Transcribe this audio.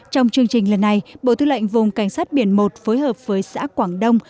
trong chương trình lần này bộ tư lệnh vùng cảnh sát biển một phối hợp với xã quảng đông